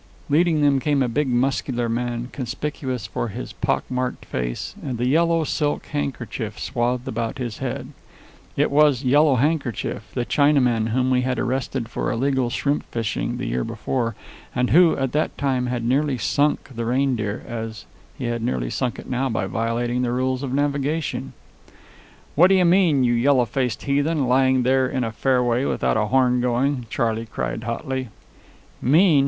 Leading them came a big, muscular man, conspicuous for his pock marked face and the yellow silk handkerchief swathed about his head. It was Yellow Handkerchief, the Chinaman whom we had arrested for illegal shrimp fishing the year before, and who, at that time, had nearly sunk the Reindeer, as he had nearly sunk it now by violating the rules of navigation. "What d'ye mean, you yellow faced heathen, lying here in a fairway without a horn a going?" Charley cried hotly. "Mean?"